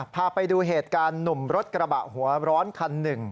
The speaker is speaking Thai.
พาไปดูเหตุการณ์หนุ่มรถกระบะหัวร้อนคันหนึ่ง